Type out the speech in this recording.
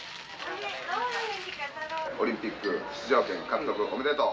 オリンピック出場権獲得おめでとう。